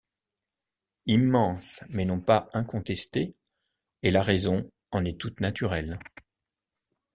Immense mais non pas incontesté, et la raison en est toute naturelle.